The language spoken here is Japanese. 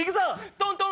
トントン！